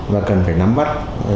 và cần phải nắm bắt